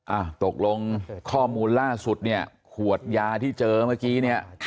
อ้าวตกลงข้อมูลล่าสุดเนี่ยขวดยาที่เจอเมื่อกี้เนี่ย